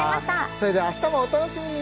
それでは明日もお楽しみに！